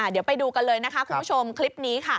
เดี๋ยวไปดูกันเลยคุณผู้ชมคลิปนี้